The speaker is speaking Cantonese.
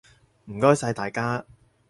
唔該晒大家！